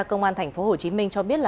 công an tp hcm cho biết